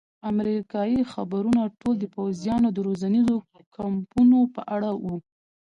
امریکایي خبرونه ټول د پوځیانو د روزنیزو کمپونو په اړه وو.